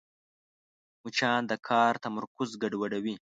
مچان د کار تمرکز ګډوډوي